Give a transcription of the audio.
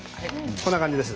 こんな感じです。